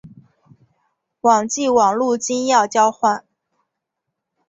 网际网路金钥交换。